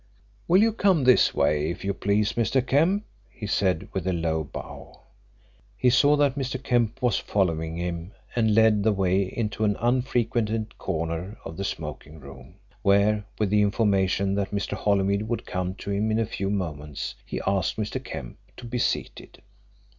"Will you come this way, if you please, Mr. Kemp?" he said, with a low bow. He saw that Mr. Kemp was following him and led the way into an unfrequented corner of the smoking room, where, with the information that Mr. Holymead would come to him in a few moments, he asked Mr. Kemp to be seated.